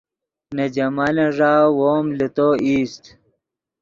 نے جمالن ݱا وو ام لے تو ایست